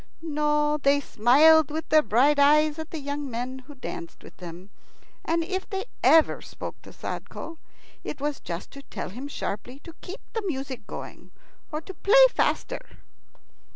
No; they smiled with their bright eyes at the young men who danced with them, and if they ever spoke to Sadko, it was just to tell him sharply to keep the music going or to play faster.